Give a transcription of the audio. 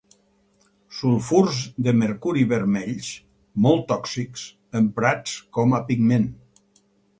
Sulfurs de mercuri vermells, molt tòxics, emprats com a pigment.